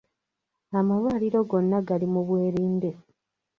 Amalwaliro gonna gali mu bwerinde.